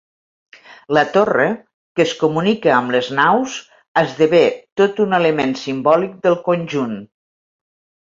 La torre, que es comunica amb les naus, esdevé tot un element simbòlic del conjunt.